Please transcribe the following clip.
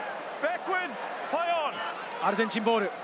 アルゼンチンボール。